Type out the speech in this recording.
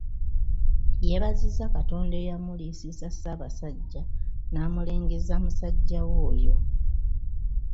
Yeebazizza Katonda eyamulisiza Ssabasajja naamulengeza musajjawe oyo.